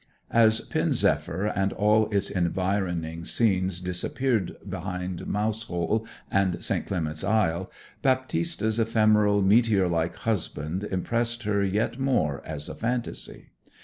As Pen zephyr and all its environing scenes disappeared behind Mousehole and St. Clement's Isle, Baptista's ephemeral, meteor like husband impressed her yet more as a fantasy.